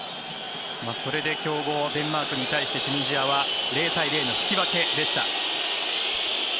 それで強豪デンマークに対してチュニジアは０対０の引き分けでした。